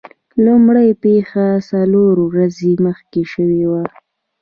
لومړۍ پیښه څلور ورځې مخکې شوې وه.